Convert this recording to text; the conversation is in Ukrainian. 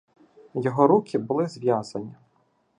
Його руки були зв'язані.